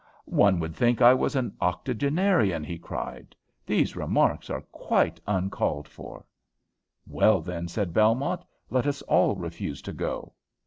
"One would think I was an octogenarian," he cried. "These remarks are quite uncalled for." "Well, then," said Belmont, "let us all refuse to go."